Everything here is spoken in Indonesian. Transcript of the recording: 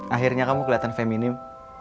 akhirnya kamu kelihatan feminim